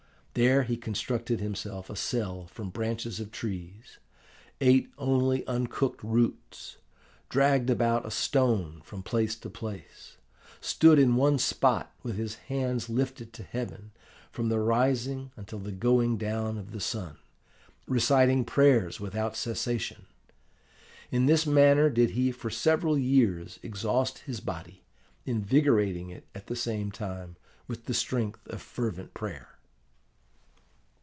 There he constructed himself a cell from branches of trees, ate only uncooked roots, dragged about a stone from place to place, stood in one spot with his hands lifted to heaven, from the rising until the going down of the sun, reciting prayers without cessation. In this manner did he for several years exhaust his body, invigorating it, at the same time, with the strength of fervent prayer.